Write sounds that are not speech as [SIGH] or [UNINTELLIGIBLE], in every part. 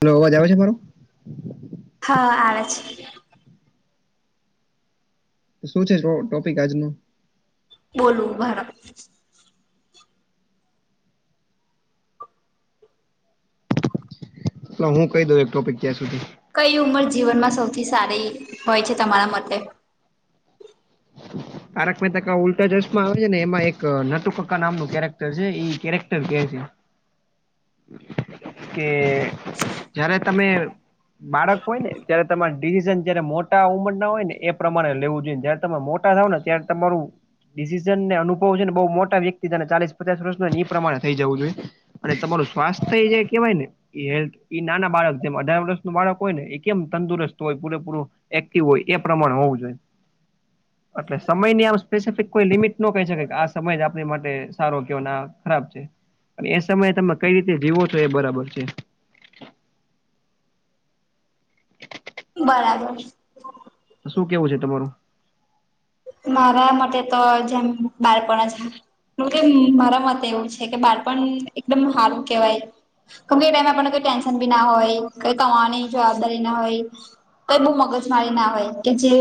Hello અવાજ આવે છે મારો હા આવે છે. શું છે ટોપિક આજનો બોલું ઊભારો તો હું કઈ દઉં એક ટોપિક ત્યાં સુધી કઈ ઉંમર જીવનમાં સૌથી સારી હોય છે તમારા મતે [INAUDIBLE] તારક મહેતા કા ઉલ્ટા ચશ્મા આવે છે ને એમાં એક નટુ કાકા નામનું કેરેક્ટર છે ઈ કેરેક્ટર કે છે કે જ્યારે તમે બાળક હોય ને ત્યારે તમારે ડિવિઝન જયારે મોટા ઉંમર ના હોય ને એ પ્રમાણે લેવું જોઈએ ત્યારે તમે મોટા થાવ ને ત્યારે તમારું ડિસિઝન ને અનુભવ છે ને બહુ મોટા વ્યક્તિ ને ચાલીસ પચાસ વર્ષ ના એ પ્રમાણે થઈ જવું જોઈએ. અને તમારું સ્વાસ્થ જે કેવાય ને એ હેલ્થ ઈ નાના બાળક જેમ અઢાર વર્ષનું બાળક હોય ને એ કેમ તંદુરસ્ત હોય પૂરેપૂરું એક્ટિવ હોય એ પ્રમાણે હોવું જોઈએ. અટલે સમયની સ્પેસિફિક કોઈ લિમિટ ન કહી શકે કે આ સમય જ આપણી માટે સારો કે ખરાબ છે. એ સમયે તમે કઈ રીતે જીવો છો એ બરાબર છે. બરાબર. શું કેવું છે તમારું? મારા માટે તો જેમ બાળપણ હારુ કે મારા મત એવું છે કે બાળપણ એકદમ હારું કેવાય. કેમ કે એ ટાઈમ પણ કોઈ ટેન્શન બી ના હોય કઈ કની જવાબદારી ના હોય. કઈ બોવ મગજ મારી ના હોય કે જે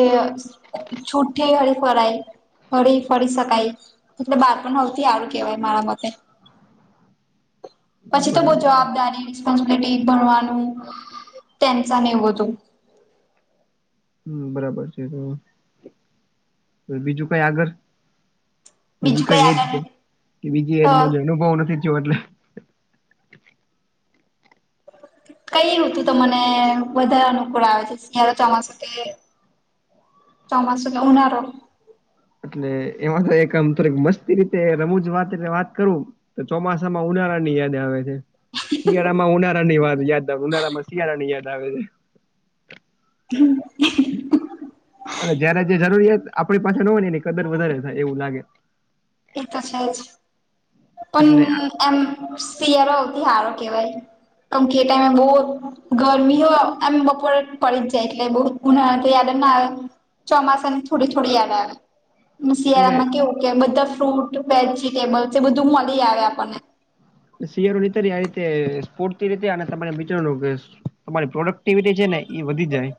છૂઠી હરી ફરાય. ફરી ફરી શકાય એટલે બાર પણ નતી આવું કેવાય મારા મતે. [INAUDIBLE] પછી તો બહ બરાબર છે. જવાબદારી સબલિટી ભણવાનું તેમ ને એવું હતું. હમ બરાબર છે. તો બીજું કઈ આગળ બીજું બીજી કઈ એજ આગળ કે બીજી એજ તો ન અનુભાવ નથી થયો એટલે [INAUDIBLE] કઈવું હતું તો મને વધારે અનુકૂળ આવે છે તારો ચોમાસું કે ચોમાસને ઉનારોો. એટલે એમાં તો એક આમ થોડીક મસ્તી રીતે રમુંજ વાત એટલે વાત કરું. તો ચોમાસા માં ઉનાળા ની યાદ આવે છે શિયાળા માં ઉનાળા ની વાત યાદ ઉનાા મશિયારા ની યાદ આવે છે. હમ્મ. અને જયારે જે જરૂરિયાત આપણી પાસે ન હોય ને એ કદર વધારે થાય એવું લાગે. એ તો છે જ પણ. એટલે આ- એમ શિયરોથી હારો કેવાય. આમકે એ ટાઈમે બહુ ગરમી હો એમ બપોરે પડી જ જાય એટલે બ ગુ તો દ ના ચોમાસાની થાડી થીડી દ એટલે શિયાળામાં કેવું કે બધા ફ્રૂટ વેજીિટેબલ એ બધું મળી આવે આપણને. શ રીતે સ્ર્ રીતે અને તમા તમારી પ્રોડક્ટિવિટી છે ને એ વધી જાય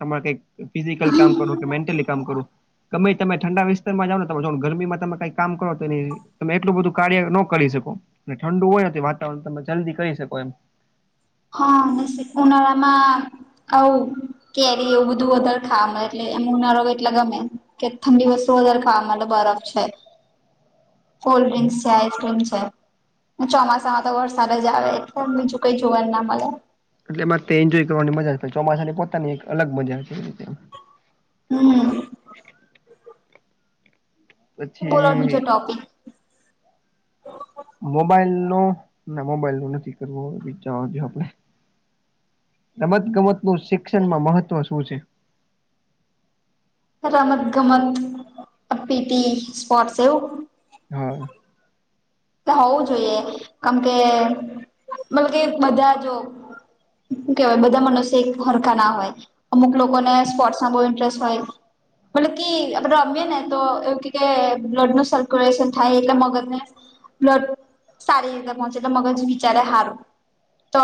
તમારે કઈ ફિઝિકલ કામ કરવું કે મેન્ટલી કામ કરું ગમે તમે ઠંડા વિ નેમે ગરમીમાં તમે કઈ કામ કરો તો એ તમે એટલું બધું કાર્ય ન કરી શકો. એ ઠંડ હોય નથી વાતાવરણ તમે જલ્દી કરી શકો એમ હા ને શ ઉનાળમાં આવ કેરી એવું બધું વધર ખા એટલે એમ નારો એટલે ગમે. કે ઠંડી વસ્તુ વધારે ખા મ બરફ છે. હ. કોલ્ડ ડ્રિંક્સ છે, આઈસ્ક્રીમ છે ચોમાસામાં તો વરસાદ જ આવે એટલે બીજું ક જોવાર ના મળે. એટલે એમાં એન્જોય કરવાની મજા ચોમાસાની પોતાની એક અલગ મજા છે. હમ્મ. બોલો બીજો પછી ટોપિક મોબાઈલ નો ના મોબાઈલ નો નથી કરવો વિચાર જો આપણે રમત ગમત નું શિક્ષણમાં મહત્વ શું છે. રમત ગમત પીટી સ્પોટ સવ હા. હોવું જોઈએ કેમ કે મતબ કે બધા જો શું કેવાય બધા મનસે એક ફરકાા ના હોય. અમુક લોકોને સ્પોર્ટ્સમાં બહુ ઇન્ટરેસ્ટ હોય મતલબ કે આપડે રમીએ ને તો એવું કે બ્લડ નું સર્ક્યુલેશન થાય એટલે મગજ ને બ્લડ સારી રીતે પહોંચે તો મગજ વિચારે હારું તો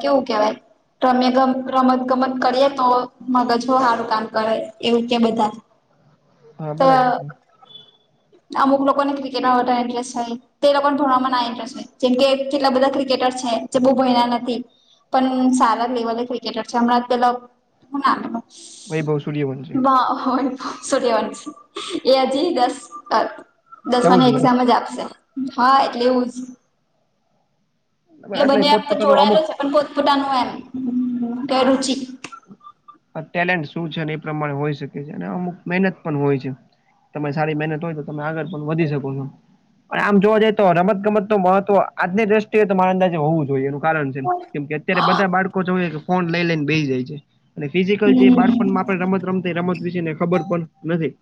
કેવું કેહેવાય. રમે ગ રમત ગમત કરીએ તો મગજું સારું કામ કરે એવું કે બધા. હા તો બરાબર છે. અમુક લોકોને ક્રિકેટમાં માટે ઇન્ટરેસ્ટ છે. તે લોકો ભણવામાં ના ઇરેસ્ટ જેમ કે કેટલા બધા ક્રિકેટર છે જે બહુ ભયના નથી. પણ સારા લેવલ એ ક્રિકેટર છેેલા વૈભવ સૂર્યવંશી વા છોટ્યા વાન છે એ હ જ દસ. ચૌદ દસમાની વર્ષ એક્ઝામ જ આપશે હા એટલે એવું જ. એટલે બંને એમ તો પોતપોતાનો જોડાયેલો અમુક છે પણ પોતપોતાનું એમ કે રુચિ આ ટેલેન્ટ શું છે અને એ પ્રમાણે હોઈ શકે છે અને અમુક મહેનત પણ હોય છે. તમે સારી મહેનત હોય તો તમે આગળ પણ વધી શકો છો. પણ આમ જોવા જાય તો રમત ગમતનુ મહત્વ આજની દ્રષ્ટિએ તો મારે અંદાજે હોવું જોઈએ. કારણ છે કેમ કે અત્યારે બધા બાળકો કે ફોન લઈ લઈને બેહી જાય છે. અને ફિઝિકલ જે હમ્મ બાળપણમાં આપણે રમત રમતે રમત વિશે ને ખબર પણ નથી.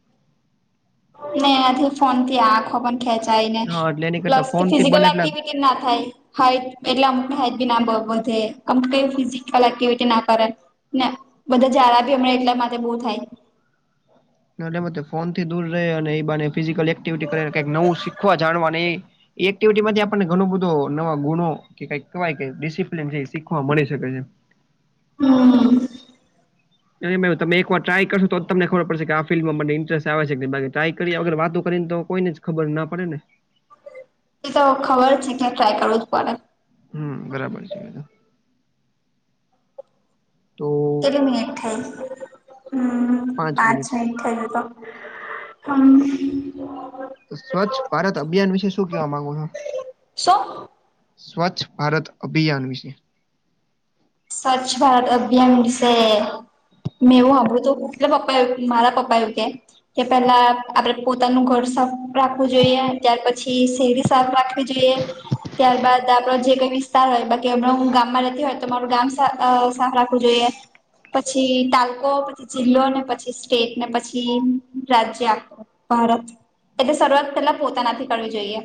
ને આથી ફોનથી આંખો પણ ખેંચાય ને હા એટલે એની કરતા પ્લસ કે ફોન થી ફિઝિકલ બને એટલા એક્ટિવિ ના થાય. હાઈટ એટલે અમુક હ બી ના બ અમ ફિ એક્ટિવિટી ના કરે. ના બધા જાડા બી હમણાં એટલા માટે બો થાય. એટ ફોનથી દૂર રહે અને એને ફિઝિકલ એક્ટિવિટી કરે કઈક નવું શીખવા જાણવા એ. એ એક્ટિવિટી માંથી આપણને ઘણો બધો નવા ગુણો કે કવાય ડિસિપ્લન છે એ શીખવા મળી શકે છે. હમ. તમે એકવાર ટ્રાય કરશો તો તમને ખબર પડશે કે આ ફિલ્ડમાં મને ઇન્ટરેસ્ટ આવે છે કે બાકી ટ્રાય કરીએ અગર વાતો કરીને તો. કોઈને જ ખબર ના પડે ને. એ તો ખબર છે કે ટ્રાય કરવો જ પડે. હમ, બરાબર છે બધું. તો કેટલી મિનિટ થઈ હમ પાંચ મિનિટ થાય તો તો. હમ. સ્વચ્છ ભારત અભિયાન વિશે શું કેવા માંગો છો? શું? સ્વચ્છ ભારત અભિયાન વિશે. સ્વચ્છ ભારત અભિયાન વિશે. મેં એવું હામભળ્તુ કે પપ્પા મારા પપ્પા એવું કે. કે પેલા આપડે પોતાનું ઘર સાફ રાખવું જોઈએ ત્યાર પછી શેરી. સાફ રાખવી જોઈએ ત્યારબાદ આપડો જે કઈ વિસ્તાર હોય બાકી હમણાં હું ગામમાં રેતી હોય તો મારું ગામ સા અ સાફ રાખવું જોઈએ. પછી તાલુકો પછી જિલ્લોને પછી સ્ટેટને પછી રાજ્યા. ભારત એટલે શરૂઆત પેલા પોતાનાથી કરવી જોઈએ.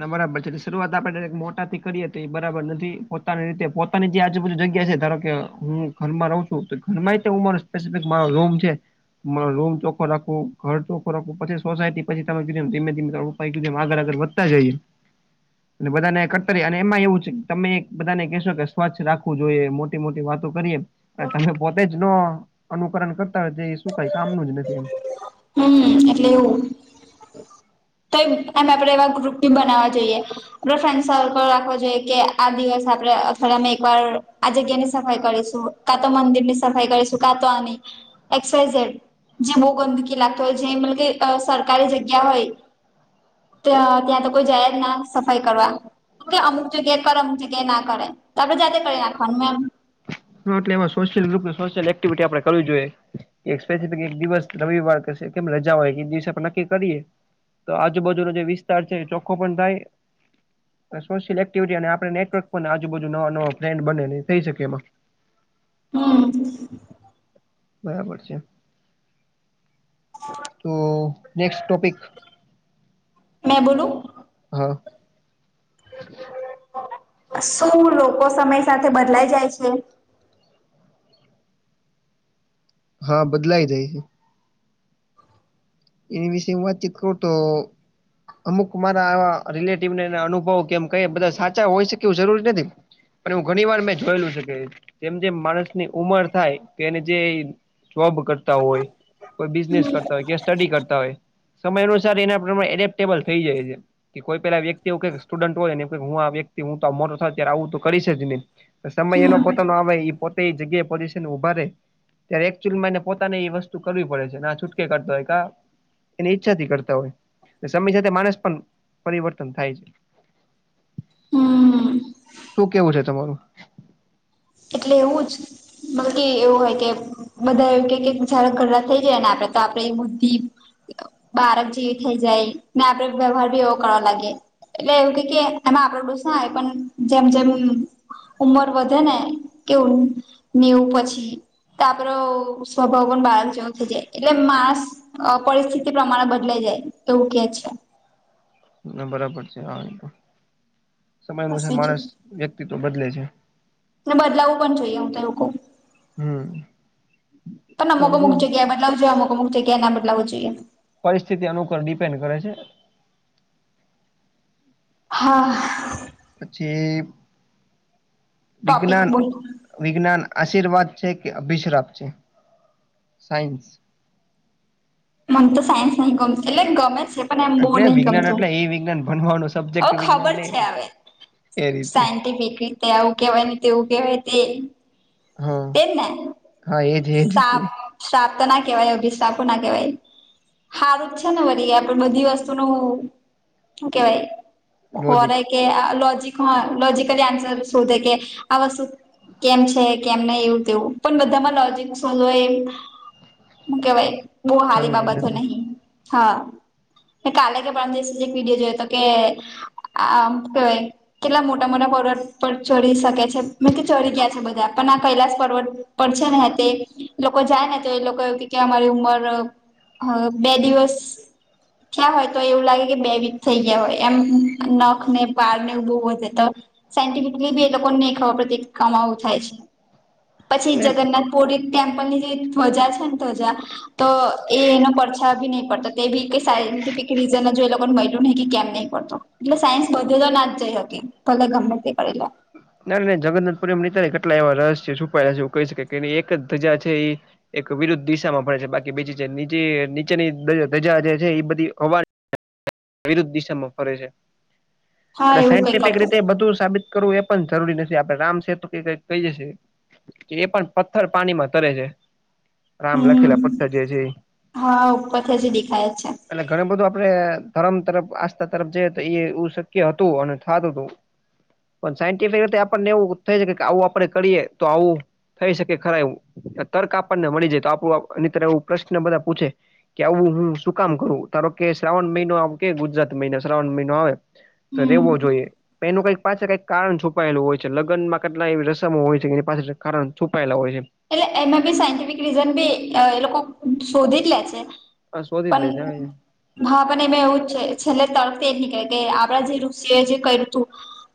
ના બરાબર છે એટલે શરૂઆત આપણે દાયરેક મોટાથી કરીએ તો એ બરાબર નથી પોતાની રીતે પોત ની જે આજુબજુ જગ્યા છે ધારો કે હું ઘરમાં રહું છું તો ઘરમાં હ મા સ્પેસફિકમા રૂમ છે. મારો રૂમ ચોખ્ખો રાખવો, ઘર ચોખ્ખું રાખવું પછી સોસાયટી પછી તમે કીધુ એમ આગળ આગળ વધ તા જઈએ. અને બધાને કટ્ટરી અને એમાં એવું છે તમે બધાને કેહેશો કે સ્વચ્છ રાખવું જોઈએ મોટી મોટી વાતો કરીએ. તમે પોતે જ ન અનુકરણ કરતા હોય એ શું કઈ કામનું જ નથી એમ. હમ એટલે એવું તો એમ આપડે એવા રૂપટી બનાવવા જઈએ. આપરો ફ્રેન્ડ સર્કલ રાખવો જોઈએ કે આ દિવસે આપણે અઠવાડિયામાં એકવાર આ જગ્યાની સફાઈ કરીશું. કાતો મંદિરની સફાઈ કરીશું કાતો આની એક્સ વાય ઝેડ જે બો ગંદકી લાગતો હોય. જે મિલકી અ સરકારી જગ્યા હોય. ત્યાં ત્યાં તો કોઈ જાય જ ના સફાઈ કરવા. અમુક જગ્યાએ કરમ છેકે ના કરે આપણે જાતે કરી નાખવાનું એમ. એટલે એમાં સોશિયલ લુક ને સોશિયલ એક્ટિવિટી આપડે કરવી જોઈએ. સ્પેસિફિક એક દિવસ રવિવાર કેમ રજા હોય કે એ દિવસે આપડે નક્કી કરીએ. તો આજુબાજુનો જે વિસ્તાર છે ચોખ્ખો પણ થાય. સોશિયલ એક્ટિવિટી અને આપણે નેટવર્ક આજુબાજુ નવા નવા ટ્રેન્ડ બને થઈ શકે એમાં. હમ. બરાબર છે એમ. [UNINTELLIGIBLE] તો નેક્સ્ટ ટોપિક. મેં બોલું? હા શું લોકો સમય સાથે બદલાય જાય છે. હા બદલાય જઈ છે. એની વિષય વાતચીત કરુ તો અમુક મારા આવા રિલેટિવને એ અનુભવ કેમ ક બધા સાચા હોય છે કે એવું જરૂરી નથી પણ એવું ઘણી વાર મેં જોયેલું છે કે જેમ જેમ માણસ ની ઉમર થાય કે એને જે જોબ કરતા હોય કોઈ બિઝનેસ કરતા હોય કે સ્ટડી કરતા હોય સમય અનુસાર એના પ્રમાણે એડેપ્ટેબલ થઈ જાય છે. કે કોઈ પેલા વ્યક્તિ એવુ કઈ સ્ટુડન્ટ હોય ને હું આ વ્યક્તિ હું તો મોટો થાય ત્યારે આવું તો કરીશ જ નહીં સમય એનો હમ પોતાનો આવે એ પોતે એ જગ્યાએ પોઝિશન ઉભા રેય ત્યારે એકચુઅલી મને પોતાને એ વસ્તુ કરવી પડે છે ના છૂટકે કરતો હોય કા એની ઈચ્છાથી કરતા હોય સમય સાથે માણસ પણ પરિવર્તન થાય છે. હમ શું કેવું છે તમારું એટલે એવું જ બકી એવું હોય કે બધા એવું કે જાર ઘરડા થઇ જાય ને આપડે તો આપડે એ બુદ્ધિ બાળક જેવી થઇ જાય ને આપડે વ્યવહાર ભી એવો કરવા લાગે એટલે એવું કે કે એમાં આપડ ડું ના આવે પણ જેમ જેમ ઉમર વધે ને કેવું નેવું પછી તપ સ્વભગવન બાળ ચૌ થ જાય એટલે માનસ અ પરિસ્થિતિ પ્રમાણે બદલાઈ જાય એવું કે છે. ના બરાબર છે હ તો સમય બસ અનુસાર બીજું માણસ વ્યક્તિત્વ બદલે છે. બદલાવવું પણ જોઈએ હું તો એવું કવ હમ્મ પણ અમકો મૂક જગ્યા બદલાવવી જોઈએ અમક અમૂક જગ્યા ના બદલાું જોઈએ પરિસ્થિતિ અનુકર ડિપેન્ડ કરે છે. હા પછી ટોપિક વિજ્ઞાન બોલ વિજ્ઞાન આશીર્વાદ છે કે અભિશ્રાપ છે સાયન્સ મને તો સાયન્સ ન ગમ એટ ગમેસ પણ એમ બહ એટલે નહ વિજ્ઞાન ગમતું એટલે એ વિજ્ઞાન ભણવાનું અવ સબ્જેક્ટ વિજ્ઞાન ખબર નહી છે હવે એ રીતે સાયન્ટિફિક રીતે આવું કેવાય ને તેવું કેહેવાય તે. હા તેમ ને હા એજ એજ સાપ સાપ તો ના કવાય અભિશ્રાપ ના કવાય હારું જ છે ને વળ આપડ બધી વસ્તુ ન કેવાય લોજિક ખોરાય કે લોજ હ લોજકલી આન્સર શોધે કે આ વસ્તુ કેમ છે. કેમ નહી એવું તેવું પણ બધામાં લોજિક સોલય એ કેવાય બહ હારી જરૂરી બાબતો નહી નથી હા. કાલે કે પણમ દ એક વિડીયો જોયો હતો કે આ હુ કેવાય કેટલા મોટા મોટા પર્વત પર ચરી શકે છે મે કે ચરી ગયા છે બધા કૈલાસ પર્વત પડશે ને તે લોકો જાય ને તો એ લોકો એ કે અમારી ઉંમર બે દિવસ થ્યાં હોય તો એવું લાગે કે બે વીક થઈ ગયા હોય એમ નખ ને પાર ને ઉ બહ વધે તો સાયન્ટિફિકલી બી એ લોકો ને ખરત કમાવું થાય છે. પછી જગન્નાથ પુરી ટેમ્પલની જે ધ્વજા છે ને ધ્વજા તો એ એનો પછા ભી નહી પડતો એ બી કઈ સાયન્ટિફિક રીઝન જો એ લોકોને મળલ નહીં કે કેમ નહીં પડતો એટલે સાયન્સ બધું તો ના જ જઈ શકી ભલે ગમે તે કરી લે ના ના જગન્નાથ પુર નીને કેટલા એવા રસ છે છુપાયેલા છે એવ કહી શકે એક જ ધજા છે એ એક વિરુદ્ધ દિશામાં ભણે છે બાકી બીજી જે નીચે નીચેની ધજા જે છે એ બધી હવા વિરુદ્ધ દિશામાં ફરે છે હા એટ એવું કઈક સાયન્ટિફિક હતું રીતે બધું સાબિત કરવું એ પણ જરૂરી નથી આપડે રામ કેત્ર કે કઈ કહી જશે એ પણ પથ્થર પાણીમાં તરે છે. રામ લખેલા હમ પથ્થર જે છે. હા ઉપરથી હજી દેખાય જ છે એટલે ઘણ બધું આપડે ધરમ તરફ આસ્થા તરફ જ તો એ એવું શક્ય હતું અને થતું હતું. પણ સાયન્ટિફિક રીતે આપણને એવું થઈ છે આવું આપડે કરીએ તો આવું. થઈ શકે ખરા એવું તર્ક આપણને મળી જાય તો આપણું અ તર એવું પ્રશ્ન બધા પૂછે. કે આવું હું શું કામ કરું ધારો કે શ્રાવણ મહિનો કે ગુજરાત મહિના શ્રાવણ મહિનો આવે તો હમ રેવો જોઈએ એનું કઈક પાછ કઈ કારણ છુપાયેલું હોય છે લગ્નમાં કેટલા એવી રસમો હોય છે કે એની પાછ કારણ છુપાયેલા હોય છે. એટલે એમાં બી સાયન્ટિફિક રીઝન બી એ લોકો શોધી જ લે છે. આ શોધી જ પણ લે છે હા પણ એમાં એવું જ છે છેલ્લે તળતી એ જ નીકળે કે આપણા જે ઋષિઓએ જે કર્યું હતું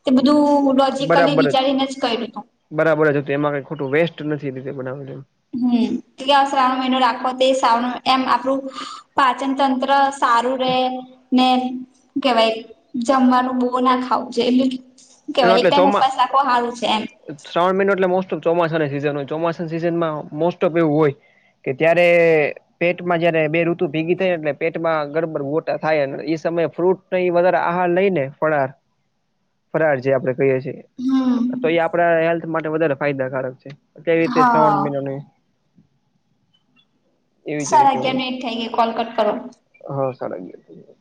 તે બધું લોજકલી વિચારીને જ કર્યું તું. બરાબર છે તો એમાં કઈ ખોટું વેસ્ટ નથી રી બનાવ. હમ એટ સા્રણ મહિનો રાખો તે સા્રવણ એમ આપડું પાચન તંત્ર સારું રેમ ને કેવાય જમવાનું બો ના ખાવું છે એટલે વાય એક એટલે ટાઈમ ચોમા ઉપવાસ રાખો હાલું છે એમ. શ્રાવણ મહિનો એટલે મોસ્ટ ઓફ ચોમાસાની સીઝન હોય ચોમાસા સીઝનમાં મોસ્ટ ઓફ એવું હોય. કે ત્યારે પેટમાં જયારે બે ઋતુ ભેગી થાય એટલે પેટમાં ગડબડ ગોટા થાય એ સમયે ફ્રૂટ ન વધારે આહાર લઈ ને પડાર ફરાર છે આપણેે કહીએ છીએ હમ તો એ આપણા હેલ્થ માટે વધારે ફાયદાકારક છે. કેવી રીતે હા શ્રાવણ મહિનો ન તો એવી જ સાર રીતે અગિયાર હોય છે મિનિટ થઈ ગઈ કોલકટ કરો. હા સારા ગયા થઈ.